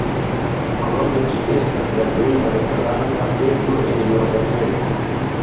Krome ĝi estas la plej malgranda pego en Nordameriko.